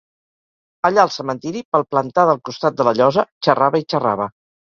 Allà al cementiri, palplantada al costat de la llosa, xerrava i xerrava.